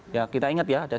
ya kita ingat ya